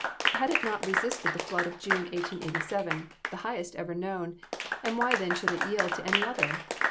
Had it not resisted the flood of June, 1887 the highest ever known and why then should it yield to any other?